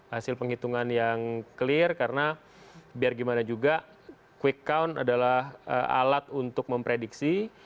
hasil penghitungan yang clear karena biar gimana juga quick count adalah alat untuk memprediksi